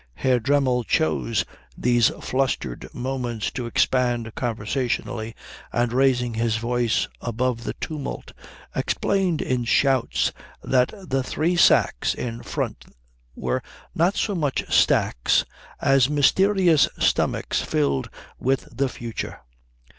Herr Dremmel chose these flustered moments to expand conversationally, and raising his voice above the tumult explained in shouts that the three sacks in front were not so much sacks as mysterious stomachs filled with the future.